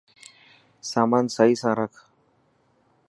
سامان سهي سان رک.